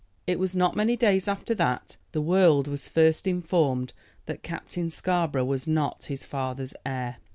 It was not many days after that "the world" was first informed that Captain Scarborough was not his father's heir.